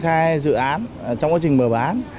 khai dự án trong quá trình mở bán